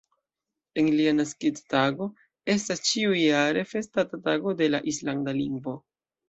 En lia naskiĝtago estas ĉiujare festata Tago de la islanda lingvo.